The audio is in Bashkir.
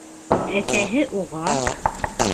Әсәһе уға: